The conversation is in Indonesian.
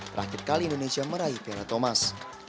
terakhir kali indonesia meraih piala thomas